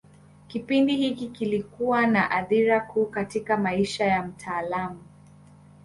Kipindi hiki kilikuwa na athira kuu katika maisha ya mtaalamu.